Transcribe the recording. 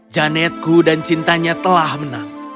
janetku dan cintanya telah menang